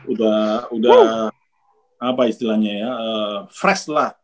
udah apa istilahnya ya fresh lah